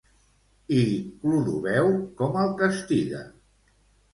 I Clodoveu com el castiga?